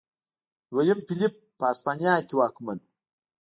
دویم فلیپ په هسپانیا کې واکمن و.